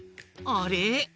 あれ？